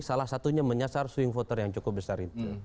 salah satunya menyasar swing voter yang cukup besar itu